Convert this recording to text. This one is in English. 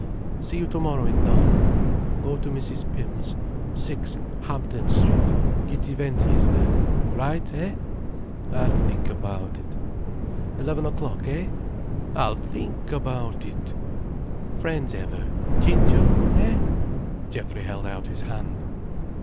"See you tomorrow in Knarborough. Go to Mrs. Pym's, 6 Hampden Street. Gittiventi is there. Right, eh?" "I'll think about it." "Eleven o'clock, eh?" "I'll think about it." "Friends ever—Ciccio—eh?" Geoffrey held out his hand.